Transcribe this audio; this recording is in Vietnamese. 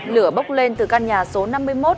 lửa bốc lên từ căn nhà số năm mươi một